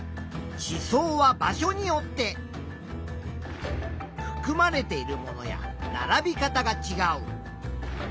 地層は場所によってふくまれているものやならび方がちがう。